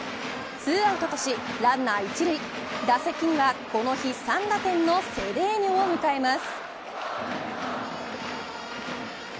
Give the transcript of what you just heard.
２アウトとしランナー１塁打席には、この日３打点のセデーニョを迎えます。